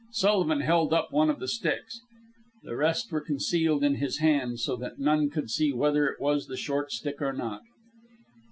Sullivan held up one of the sticks. The rest were concealed in his hand so that no one could see whether it was the short stick or not.